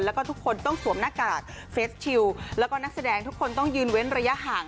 แล้วก็ทุกคนต้องสวมหน้ากากเฟสชิลแล้วก็นักแสดงทุกคนต้องยืนเว้นระยะห่าง